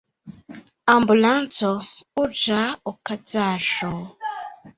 Ambulanco: Urĝa okazaĵo.